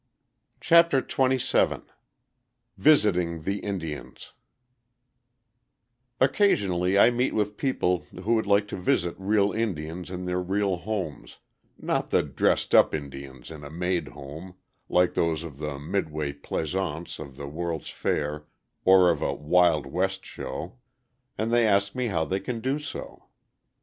CHAPTER XXVII VISITING THE INDIANS Occasionally I meet with people who would like to visit real Indians in their real homes, not the dressed up Indians in a made home, like those of the Midway Plaisance of the World's Fair or of a "Wild West" show, and they ask me how they can do so.